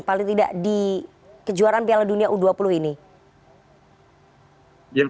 paling tidak di kejuaraan piala dunia u dua puluh ini